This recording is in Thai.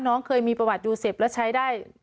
น้องเคยมีประวัติดูเสพแล้วใช้ได้